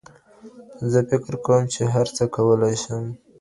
زه فکر کوم چې هر څه کولی شم.